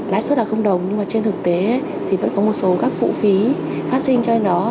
lãi suất là đồng nhưng mà trên thực tế thì vẫn có một số các phụ phí phát sinh cho anh nó